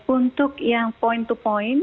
untuk yang point to point